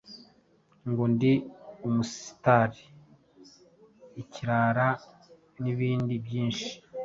ngo ndi Umusitari ,ikirara n’ibindi byinshi.